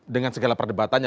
dengan segala perdebatannya